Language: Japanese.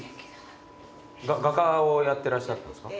画家をやってらっしゃったんですか？